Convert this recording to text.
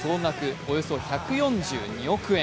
およそ１４２億円。